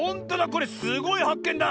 これすごいはっけんだ！